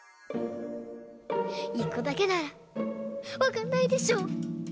１こだけならわかんないでしょ！